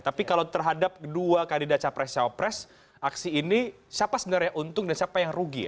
tapi kalau terhadap dua kandidat capres capres aksi ini siapa sebenarnya yang untung dan siapa yang rugi